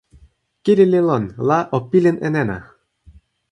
kili li lon, la o pilin e nena!